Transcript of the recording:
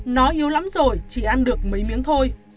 nó yếu lắm rồi chỉ ăn được mấy miếng thôi